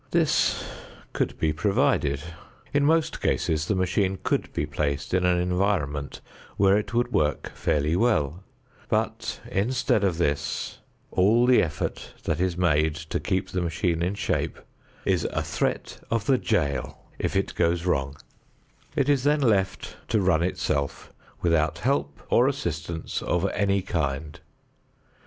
This could be provided; in most cases the machine could be placed in an environment where it would work fairly well; but instead of this all the effort that is made to keep the machine in shape is a threat of the jail if it goes wrong; it is then left to run itself without help or assistance of any kind.